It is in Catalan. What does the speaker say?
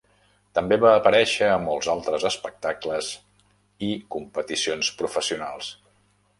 També va aparèixer a molts altres espectacles i competicions professionals.